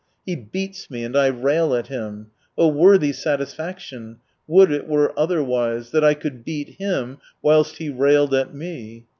He beats me, and I rail at him : worthy satisfaction ! would it were otherwise ; that I could beat him, whilst he railed at me."